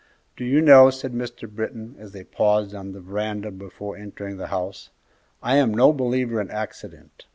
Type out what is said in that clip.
"Do you know," said Mr. Britton, as they paused on the veranda before entering the house, "I am no believer in accident.